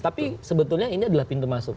tapi sebetulnya ini adalah pintu masuk